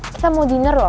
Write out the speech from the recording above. kita mau dinner loh